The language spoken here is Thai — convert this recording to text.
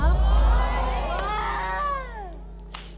ขอขอบคุณครับ